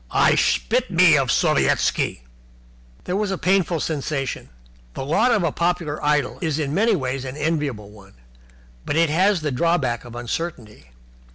"I spit me of Sovietski!" There was a painful sensation. The lot of a popular idol is in many ways an enviable one, but it has the drawback of uncertainty.